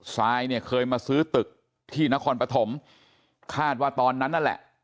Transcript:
ซายเนี่ยเคยมาซื้อตึกที่นครปฐมคาดว่าตอนนั้นนั่นแหละ